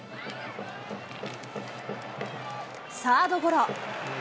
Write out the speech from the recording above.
サードゴロ。